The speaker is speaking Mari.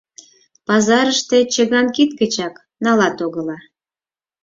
Пазарыште чыган кид гычак налат огыла.